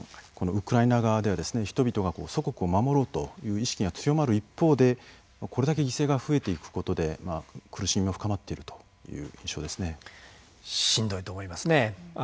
ウクライナ側では人々が祖国を守ろうという思いが強まる一方でこれだけ犠牲が増えていくことで苦しみも深まっているというしんどいと思いますね。